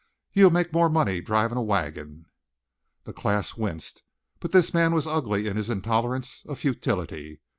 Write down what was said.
You'll make more money driving a wagon." The class winced, but this man was ugly in his intolerance of futility.